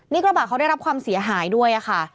นี่กระบะเขาได้รับความเสียหายด้วยค่ะ